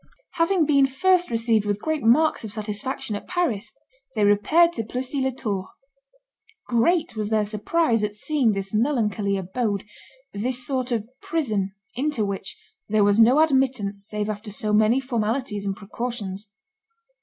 Having been first received with great marks of satisfaction at Paris, they repaired to Plessis les Tours. Great was their surprise at seeing this melancholy abode, this sort of prison, into which "there was no admittance save after so many formalities and precautions."